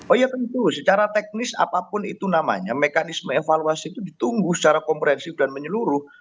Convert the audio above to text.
oh iya tentu secara teknis apapun itu namanya mekanisme evaluasi itu ditunggu secara komprehensif dan menyeluruh